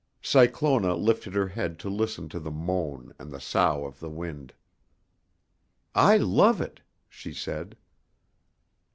Cyclona lifted her head to listen to the moan and the sough of the wind. "I love it," she said.